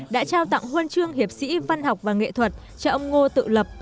đã trao tặng huần trường hiệp sĩ văn học và nghệ thuật cho ông ngô tự lập